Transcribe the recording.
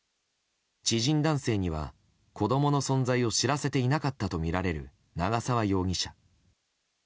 知人男性には子供の存在を知らせていなかったとみられる長沢容疑者。